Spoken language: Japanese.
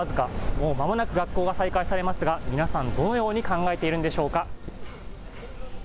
もうまもなく学校が再開されますが、皆さん、どのように考えているんでしょうか。